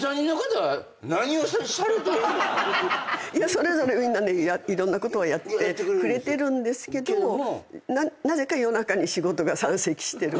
それぞれみんないろんなことやってくれてるんですけどなぜか夜中に仕事が山積してる。